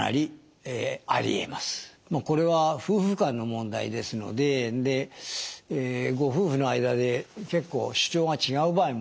これは夫婦間の問題ですのででご夫婦の間で結構主張が違う場合も多いんです。